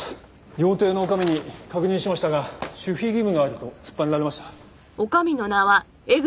料亭の女将に確認しましたが守秘義務があると突っぱねられました。